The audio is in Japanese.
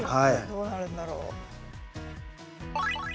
どうなるんだろう。